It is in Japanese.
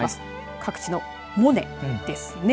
各地のモネですね。